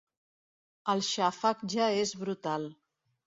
El xàfec ja és brutal.